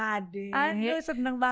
aduh seneng banget